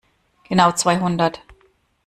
Genau zweihundert.